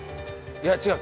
いや違う。